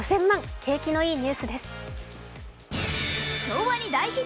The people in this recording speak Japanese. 景気のいいニュースです。